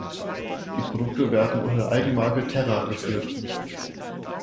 Die Produkte werden unter der Eigenmarke "Terra" geführt.